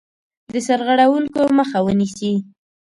د سرغړونکو مخه ونیسي.